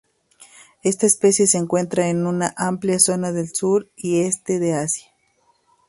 Esta especie se encuentra en una amplia zona del sur y este de Asia.